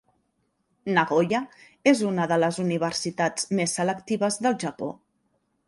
Nagoya és una de les universitats més selectives del Japó.